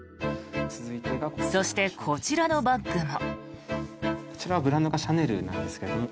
そして、こちらのバッグも。